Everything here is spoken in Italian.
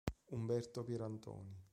Umberto Pierantoni